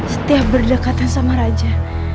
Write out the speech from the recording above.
setiap berdekatan sama raja